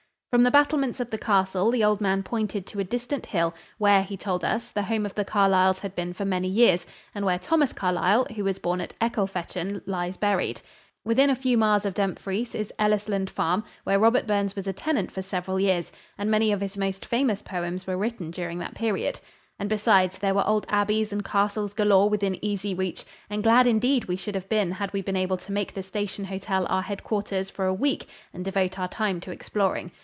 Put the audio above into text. From the battlements of the castle the old man pointed to a distant hill, where, he told us, the home of the Carlyles had been for many years and where Thomas Carlyle, who was born at Ecclefechan, lies buried. Within a few miles of Dumfries is Ellisland Farm, where Robert Burns was a tenant for several years, and many of his most famous poems were written during that period. And besides, there were old abbeys and castles galore within easy reach; and glad indeed we should have been had we been able to make the Station Hotel our headquarters for a week and devote our time to exploring.